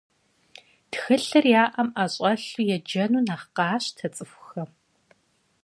Тхылъыр я ӏэм ӏэщӏэлъу еджэну нэхъ къащтэ цӏыхухэм.